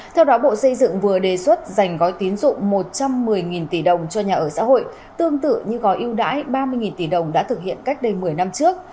theo đó bộ xây dựng vừa đề xuất dành gói tín dụng một trăm một mươi tỷ đồng cho nhà ở xã hội tương tự như gói yêu đãi ba mươi tỷ đồng đã thực hiện cách đây một mươi năm trước